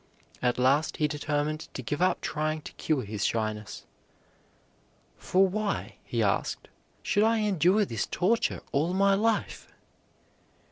At last he determined to give up trying to cure his shyness; "for why," he asked, "should I endure this torture all my life?"